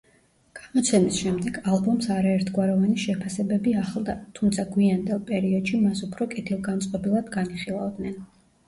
გამოცემის შემდეგ ალბომს არაერთგვაროვანი შეფასებები ახლდა, თუმცა გვიანდელ პერიოდში მას უფრო კეთილგანწყობილად განიხილავდნენ.